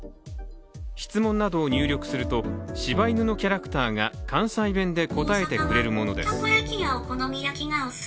質問などを入力するとしば犬のキャラクターが関西弁で答えてくれるものです。